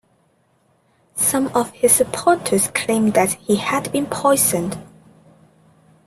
Some of his supporters claim that he had been poisoned.